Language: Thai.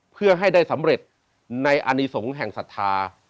เพื่อให้ได้สำเร็จในอนิสงฆ์แห่งศรัทธา